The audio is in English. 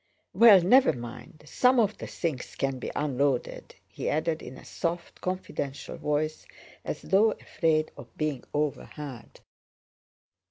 "Well, never mind, some of the things can be unloaded," he added in a soft, confidential voice, as though afraid of being overheard.